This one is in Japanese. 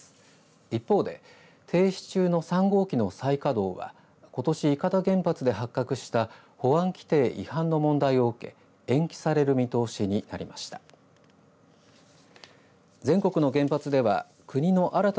一方で停止中の３号機の再稼働はことし伊方原発で発覚した保安規定違反の問題を受け延期される見通しになりました。